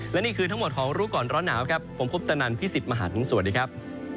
และนี่คือทั้งหมดของรู้ก่อนร้อนหนาวครับผมคุปตนันพี่สิทธิ์มหันฯสวัสดีครับ